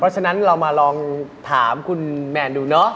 เพราะฉะนั้นเรามาลองถามคุณแมนดูเนาะ